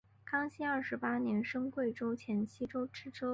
康熙二十八年升贵州黔西州知州。